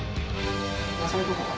野菜とかは？